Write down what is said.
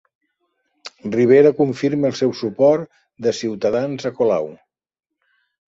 Rivera confirma el seu suport de Ciutadans a Colau